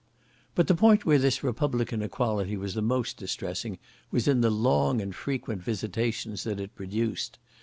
But the point where this republican equality was the most distressing was in the long and frequent visitations that it produced.